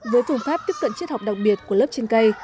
với phương pháp tiếp cận triết học đặc biệt của lớp trên cây